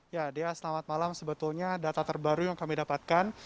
ya dea selamat malam sebetulnya data terbaru yang kami dapatkan